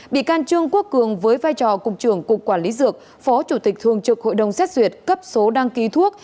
bị can trương quốc cường với vai trò cục trưởng cục quản lý dược phó chủ tịch thường trực hội đồng xét duyệt cấp số đăng ký thuốc